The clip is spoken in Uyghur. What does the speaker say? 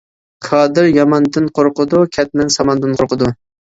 كادىر ياماندىن قورقىدۇ، كەتمەن ساماندىن قورقىدۇ.